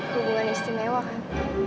hubungan istimewa kan